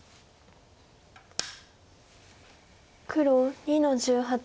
黒２の十八。